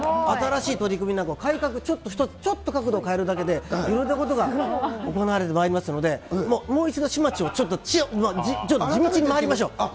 新しい取り組みなど、改革、ちょっと一つ、ちょっと角度変えるだけでいろいろなことが行われてまいりますので、もう一度、市町をちょっと、地道に回りましょう。